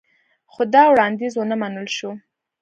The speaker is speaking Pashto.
خو دا وړاندیز ونه منل شو